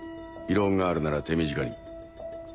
異論があるなら手短に。